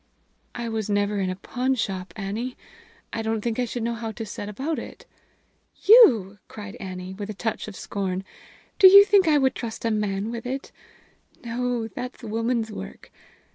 "I was never in a pawnshop, Annie. I don't think I should know how to set about it." "You!" cried Annie, with a touch of scorn. "Do you think I would trust a man with it? No; that's a woman's work.